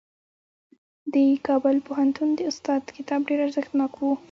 د کابل پوهنتون د استاد کتاب ډېر ارزښتناک و.